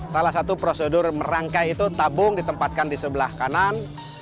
salah satu prosedur merangkai itu tabung ditempatkan di sebelah kanan